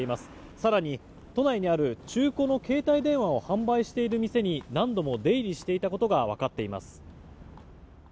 更に、都内にある中古の携帯電話を販売している店に何度も出入りしていたことが分かっています。